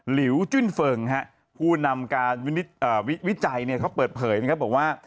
หลิวจุ้นเฟิงผู้นำการวิจัยเขาเปิดเผยนะครับบอกว่า